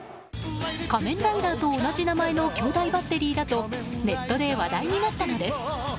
仮面ライダーと同じ名前の兄弟バッテリーだとネットで話題になったのです。